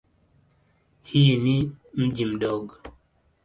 Hii ni mji mdogo.